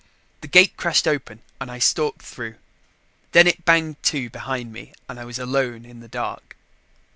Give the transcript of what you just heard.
The gate crashed open and I stalked through; then it banged to behind me and I was alone in the dark.